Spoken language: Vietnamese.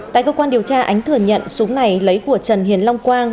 tại cơ quan điều tra ánh thừa nhận súng này lấy của trần hiền long quang